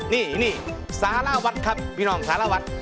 นี่สาธาราวัตรครับพี่น้องสาธาราวัตร